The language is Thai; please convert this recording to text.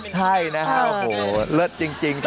ใช่นะฮะโอ้โหเลิศจริง